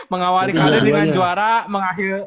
mengawali karir dengan juara